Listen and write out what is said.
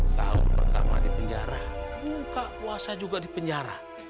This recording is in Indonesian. sahur pertama di penjara buka puasa juga di penjara